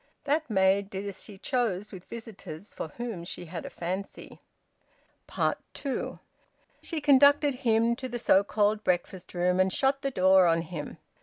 That maid did as she chose with visitors for whom she had a fancy. TWO. She conducted him to the so called breakfast room and shut the door on him.